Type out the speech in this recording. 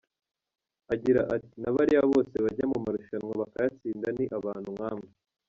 Agira ati “Na bariya bose bajya mu marushanwa bakayatsinda ni abantu nka mwe.